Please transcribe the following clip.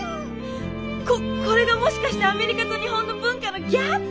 ここれがもしかしてアメリカと日本の文化のギャップ？